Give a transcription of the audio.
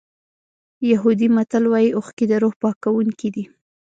یهودي متل وایي اوښکې د روح پاکوونکي دي.